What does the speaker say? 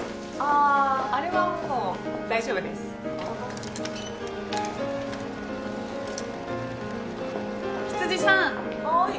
ああれはもう大丈夫ですひつじさんはい